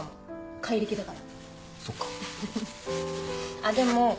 怪力だから。